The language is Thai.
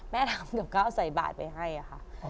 แม่ทำกับเขาใส่บาทไปให้อะค่ะ